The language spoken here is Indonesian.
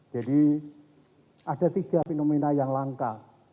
jadi ada tiga fenomena yang langka